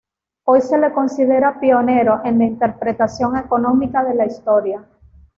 Hoy se le considera pionero en la interpretación económica de la Historia.